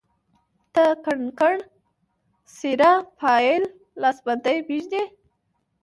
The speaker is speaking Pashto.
ته کنګڼ ،سيره، پايل، لاسبندي پيژنې